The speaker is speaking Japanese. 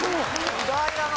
意外だな。